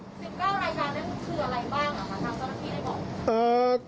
๑๙รายการนั้นคืออะไรบ้างคำถามเจ้าหน้าที่ได้บอก